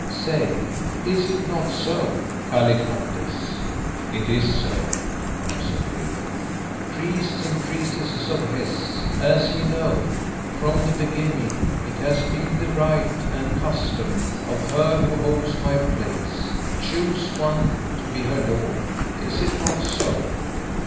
Say, is it not so, Kallikrates?" "It is so," answered Leo. "Priests and priestesses of Hes, as ye know, from the beginning it has been the right and custom of her who holds my place to choose one to be her lord. Is it not so?"